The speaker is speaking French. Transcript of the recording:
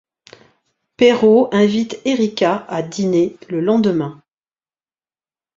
Perrot invite Erika à dîner le lendemain.